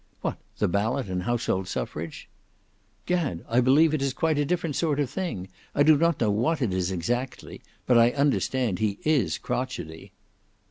"What, the ballot and household suffrage?" "Gad, I believe it is quite a different sort of a thing. I do not know what it is exactly; but I understand he is crotchetty."